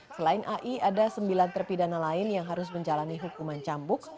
selain ai ada sembilan terpidana lain yang harus menjalani hukuman cambuk